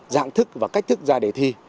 dạng thức và cách thức ra để thi